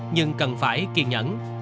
nhưng cần phải kiên nhẫn